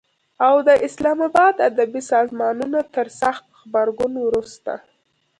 او د اسلام آباد ادبي سازمانونو تر سخت غبرګون وروسته